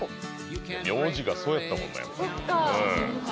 名字がそうやったもんねそっか！